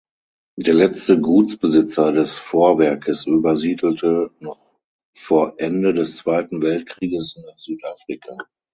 Der letzte Gutsbesitzer des Vorwerkes übersiedelte noch vor Ende des Zweiten Weltkrieges nach Südafrika.